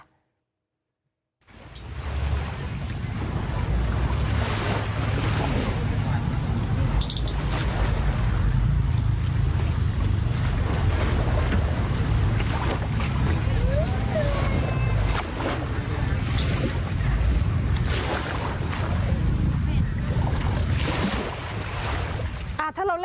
ถ้าเราเล่นน้ำทะเล